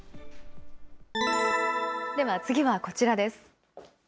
では次はこちらです。